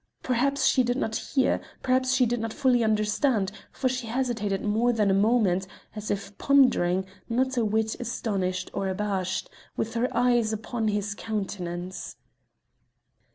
Perhaps she did not hear, perhaps she did not fully understand, for she hesitated more than a moment, as if pondering, not a whit astonished or abashed, with her eyes upon his countenance.